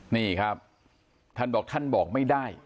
นี่ครับท่านบอกท่านบอกไม่ได้